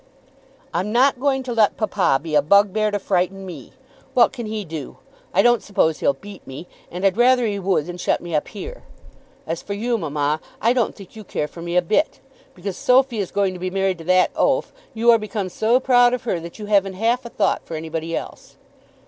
"I'm not going to let papa be a bugbear to frighten me. What can he do? I don't suppose he'll beat me. And I'd rather he would than shut me up here. As for you, mamma, I don't think you care for me a bit. Because Sophy is going to be married to that oaf, you are become so proud of her that you haven't half a thought for anybody else."